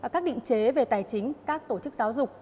các định chế về tài chính các tổ chức giáo dục